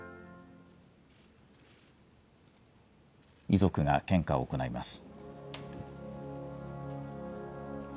遺族が献花を行います。